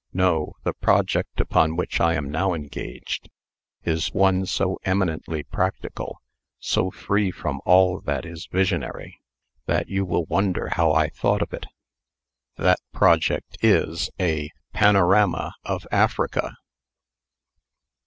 No; the project upon which I am now engaged is one so eminently practical, so free from all that is visionary, that you will wonder how I thought of it. That project is a PANORAMA OF AFRICA!"